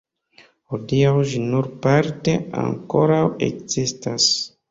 Hodiaŭ ĝi nur parte ankoraŭ ekzistas.